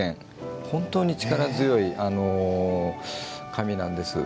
本当に力強い紙なんです。